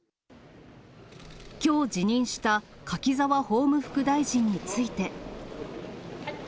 きょう辞任した柿沢法務副大臣について。